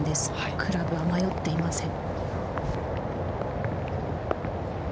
クラブは迷っていません。